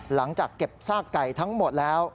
หลังจากเก็บซากไก่ทั้งหมดแล้ว